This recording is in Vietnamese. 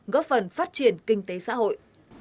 góp phần phát triển kinh tế xã hội